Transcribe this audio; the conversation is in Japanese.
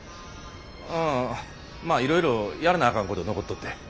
うんまあいろいろやらなあかんこと残っとって。